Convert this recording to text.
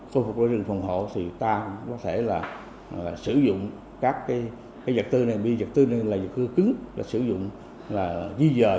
thì ta có thể là sử dụng các cái vật tư này bi vật tư này là vật tư cứng là sử dụng là di dời